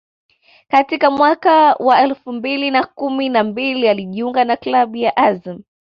Katika mwaka wa elfu mbili na kumi na mbili alijiunga na klabu ya Azam